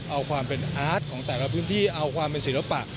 เอาความเป็นอาร์ตของแต่ละพื้นที่เอาความเป็นศิลปะ